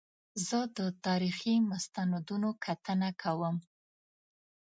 زه د تاریخي مستندونو کتنه کوم.